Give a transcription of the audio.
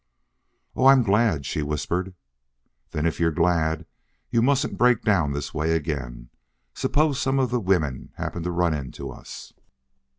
"Oh! I'm glad!" she whispered. "Then if you're glad you mustn't break down this way again. Suppose some of the women happened to run into us."